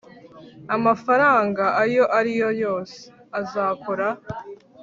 amafaranga ayo ari yo yose azakora